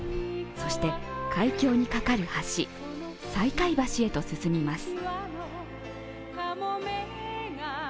そして、海峡にかかる橋、西海橋へと進みます。